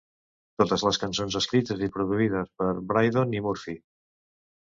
"Totes les cançons escrites i produïdes per Brydon i Murphy".